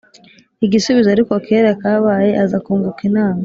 igisubizo ariko kera kabaye aza kunguka inama